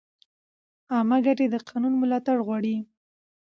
عامه ګټې د قانون ملاتړ غواړي.